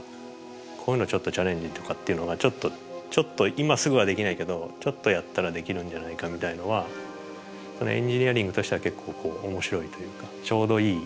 こういうのちょっとチャレンジとかっていうのがちょっと今すぐはできないけどちょっとやったらできるんじゃないかみたいなのはエンジニアリングとしては結構面白いというかちょうどいい